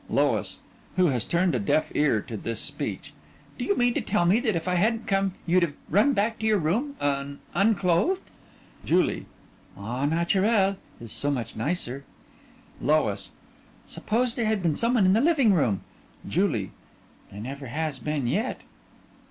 LOIS: (Who has turned a deaf ear to this speech) Do you mean to tell me that if I hadn't come you'd have run back to your room un unclothed? JULIE: Au naturel is so much nicer. LOIS: Suppose there had been some one in the living room. JULIE: There never has been yet.